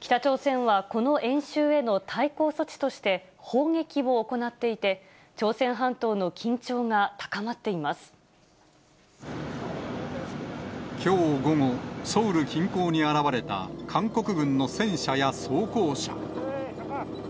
北朝鮮はこの演習への対抗措置として、砲撃を行っていて、きょう午後、ソウル近郊に現れた韓国軍の戦車や装甲車。